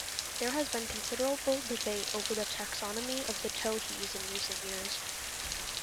There has been considerable debate over the taxonomy of the towhees in recent years.